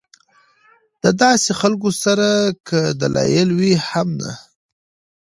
د داسې خلکو سره کۀ دلائل وي هم نۀ